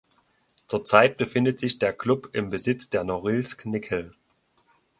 Zurzeit befindet sich der Klub im Besitz der Norilsk Nickel.